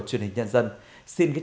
thì đó chính là một nụ cười